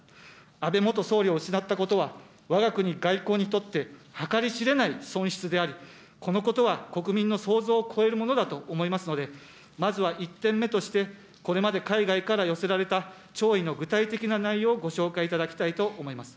安倍元総理を失ったことは、わが国外交にとって計り知れない損失であり、このことは国民の想像を超えるものだと思いますので、まずは１点目として、これまで海外から寄せられた弔意の具体的な内容をご紹介いただきたいと思います。